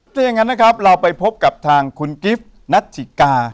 ถ้าอย่างนั้นนะครับเราไปพบกับทางคุณกิฟต์นัทจิกา